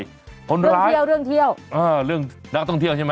เรื่องเที่ยวเรื่องเที่ยวเออเรื่องนักท่องเที่ยวใช่ไหม